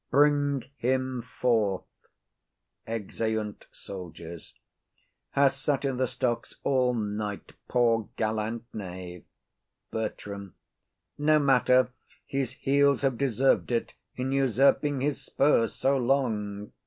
Bring him forth. [Exeunt Soldiers.] Has sat i' the stocks all night, poor gallant knave. BERTRAM. No matter; his heels have deserv'd it, in usurping his spurs so long.